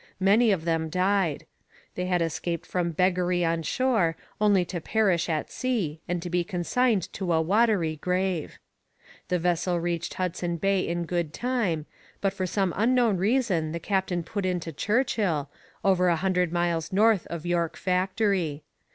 Many of them died. They had escaped from beggary on shore only to perish at sea and to be consigned to a watery grave. The vessel reached Hudson Bay in good time, but for some unknown reason the captain put into Churchill, over a hundred miles north of York Factory.